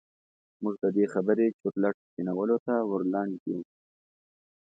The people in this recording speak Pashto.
موږ د دې خبرې چورلټ سپينولو ته ور لنډ يوو.